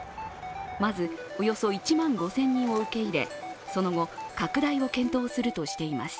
まず、およそ１万５０００人を受け入れ、その後、拡大を検討するとしています。